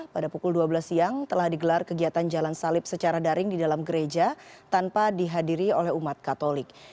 pada pukul dua belas siang telah digelar kegiatan jalan salib secara daring di dalam gereja tanpa dihadiri oleh umat katolik